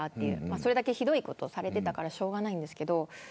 それだけ、ひどいことをされていたからしょうがないですけど。